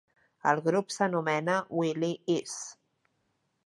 El grup s'anomena Willie Isz.